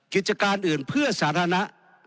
กิจการอื่นเพื่อสาธารณะ